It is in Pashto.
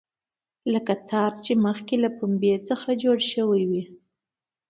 لکه تار چې مخکې له پنبې څخه جوړ شوی وي.